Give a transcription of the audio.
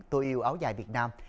tôi yêu áo dài việt nam